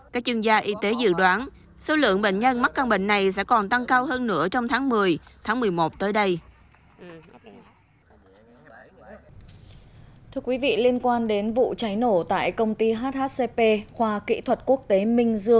các chuyên gia y tế dự đoán số lượng bệnh nhân mắc căn bệnh này sẽ còn tăng cao hơn nữa trong tháng một mươi